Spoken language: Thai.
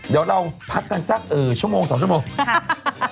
เดี๋ยวเราพักกันสักชั่วโมง๒ชั่วโมง